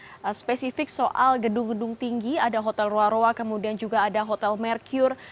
ada spesifik soal gedung gedung tinggi ada hotel roa roa kemudian juga ada hotel merkure